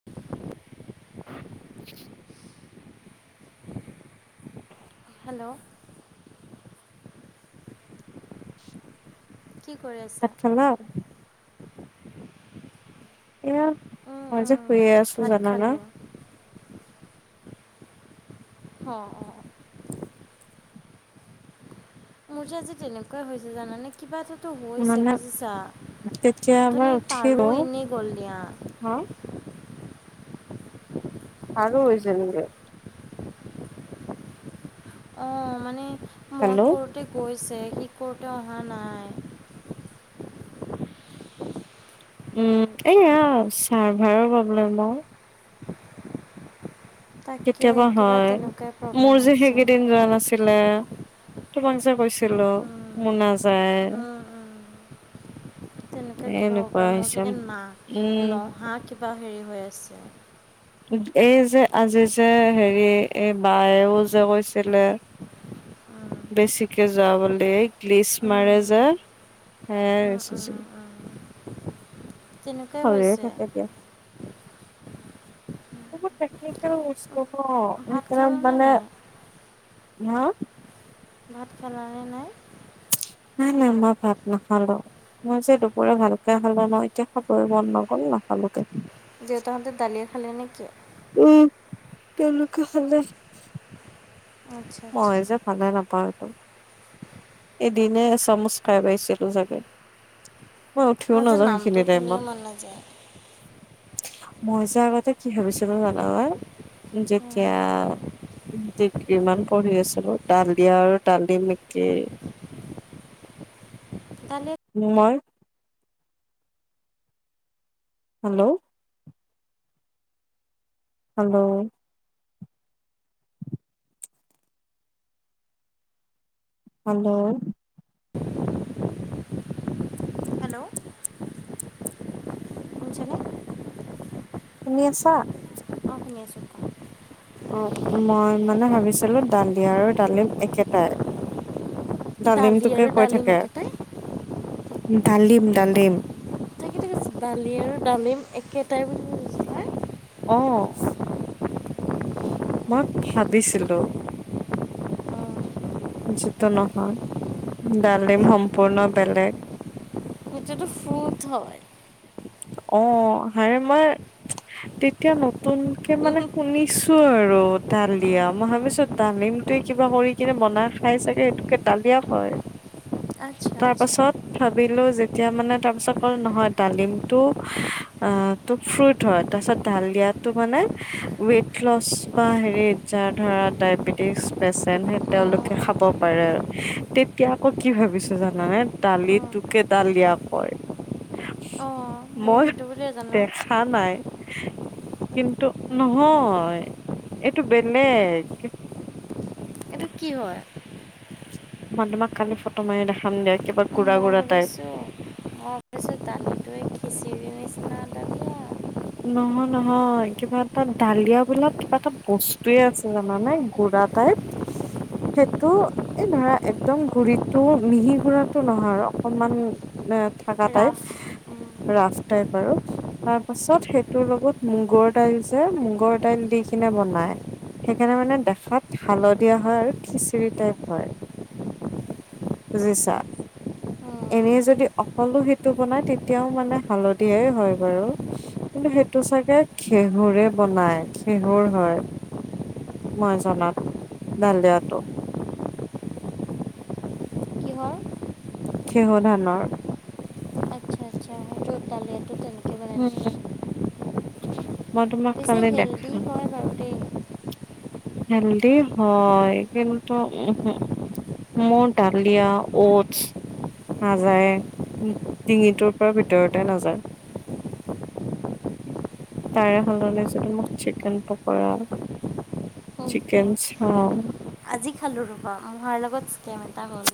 [inaudible] [inaudible] Hello, [inaudible] কি কৰি আছা? হেল্ল', এয়া উম, মই যে উম, শুয়েই আছো ভাত জানানা, খালোঁ অ', অ', মোৰ যে আজি তেনেকুৱা হৈছে জানানে কিবা এটাতো হৈছে মানে বুজিছা। তেতিয়া অথনি তাৰো এনেই গ'ল দিয়া। হয়? তাৰো হৈছিল নেকি? অ মানে মই হেল্ল' কৰোঁতে গৈছে, সি কৰোঁতে অহা নাই। উম এয়া চাৰ্ভাৰৰ প্ৰব্লেম বাৰু। তাকে কেতিয়াবা কিবা হয়। তেনেকুৱাই প্ৰব্লেম মোৰ যে হৈছে সেইকেইদিন যোৱা নাছিলে। তোমাক যে কৈছিলো উম, মোৰ নাযায়। উম, উম, তেনেকুৱা কিবা হ'ব এনেকুৱা পাৰে, মোৰ হৈছে চাগে না উম। নহা কিবা হেৰি হৈ আছে। এই যে আজি যে হেৰি এই বায়েও যে কৈছিলে উম, বেছিকে যোৱা বুলি, এই গ্লিতিছ মাৰে উম, যে। উম, উম, [unintelligible] উম, তেনেকুৱাই হয়ই হৈছে থাকে দিয়া। টেকনিকেল বস্তু ন ভাত সেইকৰণে খালানে মানে, নাই হা? ভাত খালা নে নাই? নাই নাই মই ভাত নাখালে। মই যে দুপৰীয়া ভালকে খালো ন, এতিয়া খবয় মন নগল নাখালোকে। দেউতাহঁতে দালিয়ে খালে নেকি? উম তেওঁলোকে খালে। আচ্ছা আচ্ছা মই যে ভালে নাপাওঁ এইটো। দিনে এ চামুচ খাই পাইছিলো চাগে। মই উঠিও আমাৰ যে নাযাওঁ নামটো সেইখিনি শুনিয়ে টাইমত। মন নাযায় মই যে আগতে কি ভাবিছোলো জাননে যেতিয়া ডিগ্ৰীমান পঢ়ি আছিলো দালি আৰু ডালিম একেই। তনে [inaudible] নোমই [inaudible] হেল্ল'। হেল্ল। হেল্ল। হেল্ল' শুনিছেনে শুনি আছা? অঁ শুনি আছো। অ মই মানে ভাবিছিলো দালি আৰু ডালিম একেটাই। দালি ডালিমটোকে আৰু কৈ ডালিম থাকে। একেটাই ডালিম ডালিম [unintelligible] দালি আৰু ডালিম একেটাই কৈছিলা অ মই ভাবিছিলো। যিটো নহয়, ডালিম সম্পূৰ্ণ বেলেগ। সেইটোত ফ্ৰুট হয়। অ হাৰে মই তেতিয়া নতুনকে মানে শুনিছো আৰু ডালিয়া। মই ভাবিছো ডালিমটোৱে কিবা কৰি কিনে বনাই খাই চাগে। তোকে দালিয়া হয়। [unintelligible] তাৰ আচ্ছা পাছত ভাবিলো যেতিয়া মানে তাৰ পাছত অকল নহয় ডালিম টো অ তটো ফ্ৰুট হয়। তাৰপিছত ঢাল দিয়াটো মানে ৱেইট লছ বা হেৰিত যাৰ ধৰা ডায়বেটিছ পেচেণ্ট সেই অঁ তেওঁলোকে খাব পাৰে আৰু। তেতিয়া আকৌ কি ভাবিছো জানানে দালি তোকে দালিয়া কয়। অ। মই দেখা নাই কিন্তু নহয় এইটো বেলেগ। [unintelligible] কি হয়? মই তোমাক কালি ফটো মাৰি দে, কিবা গুড় গুড়া টাইপ। তাৰপিছত দালিটো এই খিচিৰি দালি আৰু নহয় নহয় কিবা এটা ডালিয়াবিলাক কিবা এটা বস্তুয়ে আছে জানা নে গুড়া টাইপ। সেইটো এই ধৰা একদম গুৰিটো মিহি গুৰাটো নহয় আৰু অকমান ডাঠ থাককা টাইপ ৰাফ ৰাফ টাইপ আৰু তাৰ পাছত সেইটোৰ লগত মুগৰ দাইল যে মুগৰ দাইল দি কিনে বনাই। সেইকাৰণে মানে দেখাত হালধীয়া হয় আৰু খিচিৰি টাইপ হয়। বুজিছা? এনেই যদি অকলো সেইটো বনাই তেতিয়াও মানে হালধিয়াই হয় বাৰু। কিন্তু সেইটো চাগে ঘেঁহুৰে বনায় ঘেঁহুৰ হয়। মই জনাত ডালিয়াটো। কিহৰ ঘেঁহু ধানৰ। আচ্ছা আচ্ছা। ডালিয়াটো উম হুম মই পিছে খালে হেল্ডি দেখাম। হয় বাৰু দেই [unintelligible] হেল্দি হয় কিন্তু উহু মোৰ ডালিয়া, অ'টছ নাযায় ডিঙিটোৰ পৰা ভিতৰতে নাযায়। [unintelligible] তাৰে সলনি যদি মোক চিকেন পকৰা চিকেন চাও আজি খালো ৰ'বা মহাৰ লগত স্কেম এটা হ'ল।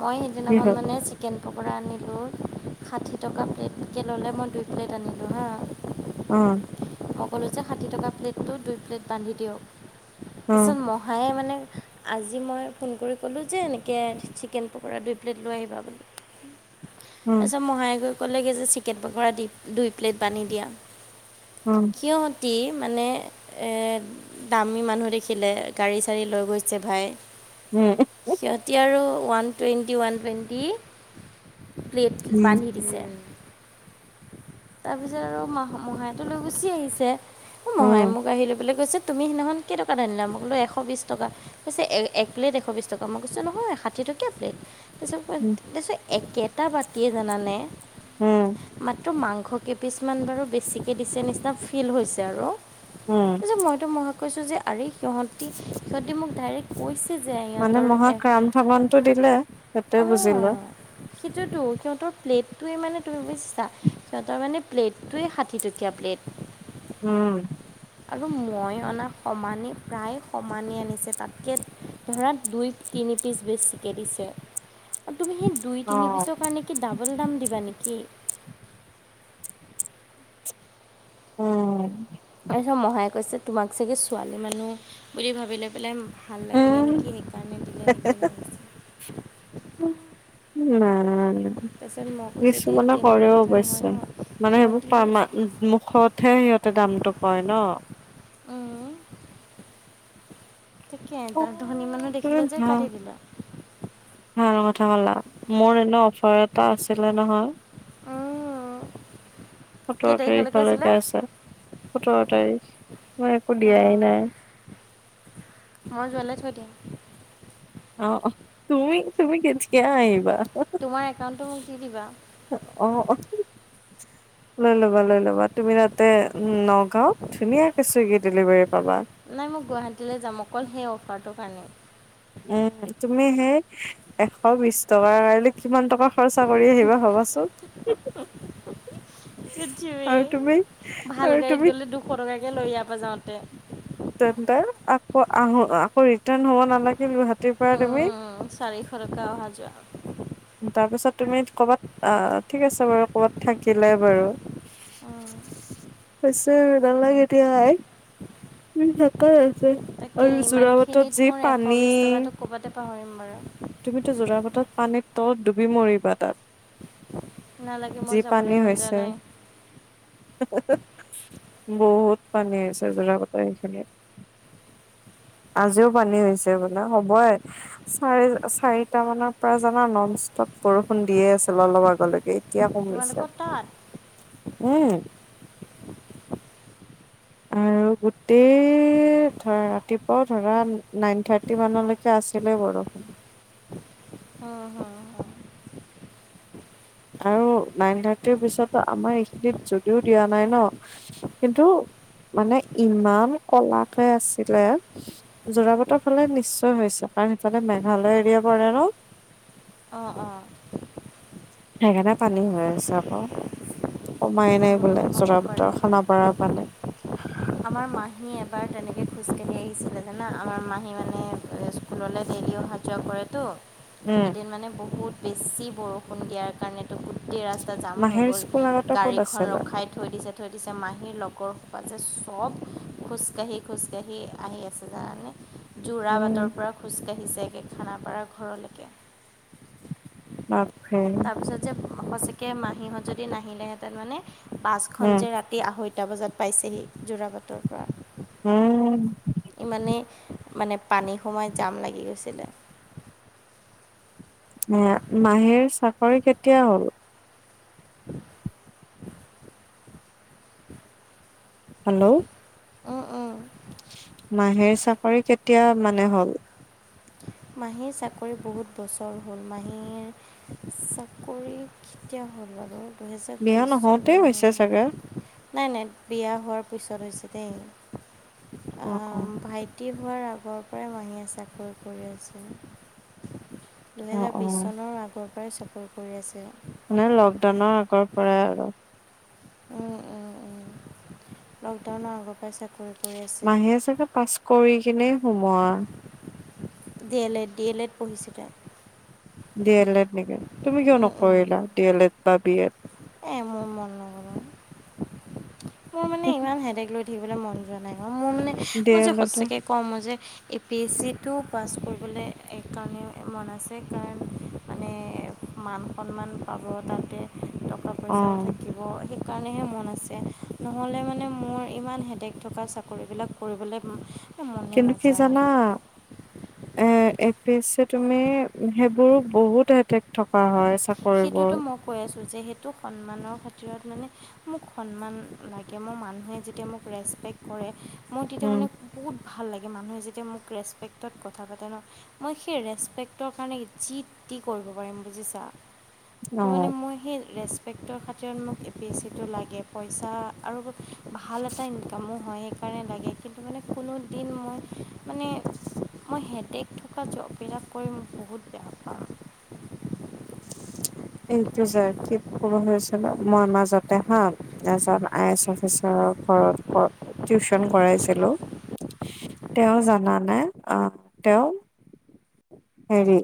মই কি সেইদিনাখন হয় মানে চিকে কেন পকৰা আনিলো ষাঠি টকা প্লেটকে ল'লে মই দুই প্লেট আনিলো হা। উম। মই ক'লো যে ষাঠি টকা প্লেটটো দুই প্লেট বান্ধি দিয়ক অ তাৰপিছত মহ হায়ে মানে আজি মই ফোন কৰি ক'লো যে এনেকে চিকে চিকেন পকৰা দুই প্লেট লৈ আহিবা বুলি। উম। তাৰপিছত মহাই গৈ ক'লেগে যে চিকেন পকৰা দি দুই প্লেট বান্ধি দিয়া। অ। সিহঁতি মানে এ দামী মানুহ দেখিলে গাড়ী-চাড়ী লৈ গৈছে ভাই উম। সিহঁতি আৰু one twenty, one twenty plate বান্ধি দিছে। তাৰ পিছত আৰু মহ মহাইটো লৈ গুচি আহিছে এ উম মহাই উম মোক আহি লৈ পেলাই কৈছে তুমি সেইদিনাখন কেইটকাত আনিলা? মই ক'লো এশ বিশছ টকাত। কৈছে এক প্লেট এশ বিশ টকা মই কৈছো নহয় ষাঠী টকীয়া প্লেট। উম [unintelligible] একেটা বাতিয়ে জানানে। হুম। মাত্ৰ মাংস কেইপিচমান বাৰু বেছিকে দিছে নিচিনা ফিল হৈছে আৰু। হুম। তাৰপিছত মইতো মহাক কৈছো যে আৰে সিহঁতি সিহঁতি মোক ডাইৰেক্ট কৈছে যে সিহঁতৰ এক ৰাম ঠগনটো দিলে সেইটোয়ে বুজিলো। সেইটোৱেটো সিহঁতৰ প্লেটোৱে মানে তুমি বুজিছা সিহঁতৰ মানে প্লেটোৱে ষাঠি টকীয়া প্লেট। [unintelligible] উম। আৰু মই অনা সমানেই প্ৰায় সমানেই আনিছে তাতকে ধৰা দুই, তিনি পিছ বেছিকে দিছে। তুমি সেই দুই অ তিনি পিছৰ কাৰণে কি ডাবুল দাম দিবা নেকি? উম। মহাই কৈছে, তোমাক চাগে ছোৱালী মানুহ বুলি ভাবি লৈ পেলাই ভাল লাগিলে উম নেকি, সেইকাৰণে দিলে নেকি [unintelligible] এনেকৈ কৈছে [unintelligible] তাৰপিছত মই কৈছোঁ যে কিছুমানে তেনেকুৱা কৰেও কথা নহয় ন অৱশ্যে, মানে সেইবোৰ সিহঁতি পাৰ, মান মুখত হে সিহঁতে দামটো কয় ন'। আহ। ঠিকে অ' তাত, ধনী মানুহ তুমি দেখিলে যে ভাল কাটি দিলে। ভাল কথা কলা, মোৰ এনে অফাৰ এটা আছিলে নহয় অ'। সোতৰ তাৰিখলৈকে আছে, সোতৰ তাৰিখ, মই একো দিয়াই নাই। মই যোৱালৈ থৈ দিম। অ, অ', তুমি, তুমি কেতিয়া আহিবা? তোমাৰ একাউণ্টটো মোক দি দিবা অ', অ', লৈ ল'বা, লৈ ল'বা, তুমি তাতে উম নগাঁও ধুনীয়াকৈ ছুইগী ডেলিভাৰী পাবা। নাই মই গুৱাহাটীলৈ যাম, অকল সেই অফাৰটোৰ কাৰণেই। উম, তুমি সেই, এশ বিশ টকাৰ লৈ কিমান টকা খৰচা কৰি আহিবা ভাবাঁচোন। ভাল আৰু গাড়ীত তুমি গ'লে দুশ টকাকে লয় ইয়াৰ পৰা যাওঁতে। তেন্তে, আকৌ আহো, আকৌ ৰিটাৰ্ণ হ'ব নালাগে গুৱাহাটীৰ পৰা তুমি? [unintelligible] [unintelligible] তাৰ পিছত তুমি ক'বাত আহ, ঠিক আছে বাৰু কৰ'বাত থাকিলে বাৰু। [unintelligible] [unintelligible] আৰু যোৰা তাকে ইমানখিনিত বাটত যি মোৰ এশ পানী। বিছ টকাটো ক'ৰবাতে পাহৰিম বাৰু। তুমিতো যোৰা বাটত পানীৰ তলত, ডুবি মৰিবা তাত। নালাগে যি মোৰ যাবলৈ পানী মন যোৱা হৈছে। নাই বহুত পানী হৈছে, যোৰা বাটত আজিও পানী হৈছে। বোলে হ'বহে, চাৰি, চাৰিটা মানত পৰা জানা, নন ষ্টপ বৰষুণ দিয়ে আছিল, অলপ আগলৈকে, এতিয়া কমিছে। তোমালোকৰ তাত উম। উম, গোটেই ধৰা ৰাতিপুৱা অ', ধৰা নাইন থাৰ্টি মানলৈকে আছিলে বৰষুণ। অ', হ'। আৰু নাইন থাৰ্টিৰ পিছত আমাৰ এইখিনিত যদিও দিয়া নাই ন', কিন্তু, মানে ইমান ক'লাকে আছিলে জোৰাবাটৰ ফালে নিশ্চয় হৈছে, কাৰণ সেইফালে, মেঘালয় এৰিয়া পৰে ন'। অ', অ'। সেইকাৰণে পানী হৈ আছে, আকৌ। কমাই নাই বোলে, উম, হ'ব জোৰা বাটৰ পাৰে খানাপাৰাৰ পানে। আমাৰ মাহী এবাৰ তেনেকৈ খোজকাঢ়ি আহিছিলে জানা, আমাৰ মাহী মানে স্কুললৈ ডেইলি অহা-যোৱা কৰেতোঁ উম। মানে বহুত বেছি বৰষুণ দিয়াৰ কাৰণে গোটেই ৰাস্তা জাম হৈ মাহীৰ গ'ল, স্কুল আগতে ক'ত গাড়ীখন আছিলে ৰখাই থৈ দিছে, থৈ দিছে মাহীৰ লগৰ সোপা যে চব খোজকাাঢ়ি, খোজকাঢ়ি আহি আছে জানানে উম যোৰাবাটৰ পৰা খোজকাঢ়ি ছেগে খানাপাৰা ঘৰলৈকে বাপৰে তাৰপিছত যে সঁচাকৈ মাহীহঁত যদি নাহিলেহেঁতেন মানে বাছখন উম যে ৰা ৰাতি আঢ়ৈটা বজাত পাইছেহি যোৰাবাটৰ পৰা উম, ইমানেই মানে পানী সোমাই জাম লাগি গৈছিলে। এ মাহীৰ চাকৰি কেতিয়া হ'ল? [inaudible] হেল্ল' অ', অ', মাহীৰ চাকৰি কেতিয়া মানে হ'ল? মাহীৰ চাকৰি বহুত বছৰ হ'ল মাহীৰ চাকৰি কেতিয়া হ'ল বাৰু? দুহেজাৰ বিয়া বিছ নহওঁতে হৈছে চাগে। চনৰ নাই নাই, বিয়া হোৱাৰ পিছত হৈছে দেই অ', আম, অ', ভাই ভাইটী হোৱাৰ আগৰ পৰাই মাহীয়ে চাকৰি কৰি আছে। অ', দুহেজাৰ বিছ অ', চনৰ আগৰ পৰাই চাকৰি কৰি আছে। মানে লকডাউনৰ আগৰ পৰাই আৰু উম, উম, উম, লকডাউনৰ আগৰ পৰাই চাকৰি কৰি আছে মাহে চাগে পাছ কৰি কিনে সোমোৱা। D L Ed, D L Ed পঢ়িছিলে। ডি এল এড নেকি তুমি কিয় নকৰিলা ডি এল এড বা, বি এড? এই মোৰ মন নগল অ', মোৰ মানে ইমান হেডেক লৈ থাকিবলৈ মন যোৱা নাই, অ, মোৰ মানে ডি মই যে এল এডৰ সঁচাকে ক'ম মই যে, এ পি এছিটো পাছ কৰিবলৈ এইকাৰণে মন আছে কাৰণ মানে মান সন্মান পাব তাতে টকা পইচাও অ', থাকিব সেইকাৰণেহে মন আছে নহ'লে মানে মোৰ ইমান হেডেক থকা চাকৰিবিলাক কৰিবলৈ মনে কিন্তু কি জানা? নাযায় এ এ পিছে তুমি সেইবোৰ বহুত হেডেক থকা হয় চাকৰিবোৰ। সেইটোতো মই কৈ আছোঁ যে সেইটো সন্মানৰ খাতিৰত মানে মোক সন্মান লাগে মোৰ মানুহে যেতিয়া মোক ৰেচপেক্ট কৰে মই তেতিয়া উম, মানে বহুত ভাল লাগে মানুহে যেতিয়া মোক ৰেচপেক্টত কথা পাতে ন' মই সেই ৰেচপেক্টৰ কাৰণে যিটি কৰিব পাৰিম বুজিছা। ত' অ'। মানে মই সেই ৰেচপেক্টৰ খাতিৰত মোক এ পি এছিটো লাগে পইচা আৰু ভাল এটা ইনকামো হয়, সেইকাৰণে লাগে কিন্তু মানে কোনোদিন মই মানে মই হেডেক থকা জববিলাক কৰি মই বহুত বেয়া পাওঁ। এইটো যে কি ক'ব হৈছিলো মই মাজতে হা এজন আই এছ অফিচাৰ ঘৰত ক টিউচন কটাইছিলোঁ তেওঁ জানানে আ, তেওঁ হেৰি